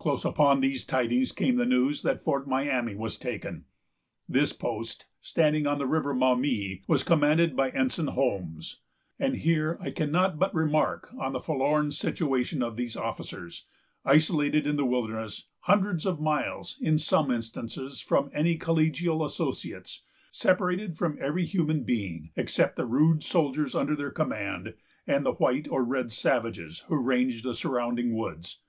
Close upon these tidings came the news that Fort Miami was taken. This post, standing on the River Maumee, was commanded by Ensign Holmes. And here I cannot but remark on the forlorn situation of these officers, isolated in the wilderness, hundreds of miles, in some instances, from any congenial associates, separated from every human being except the rude soldiers under their command, and the white or red savages who ranged the surrounding woods.